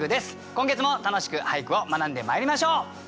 今月も楽しく俳句を学んでまいりましょう！